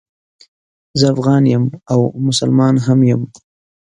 زه افغان یم او مسلمان هم یم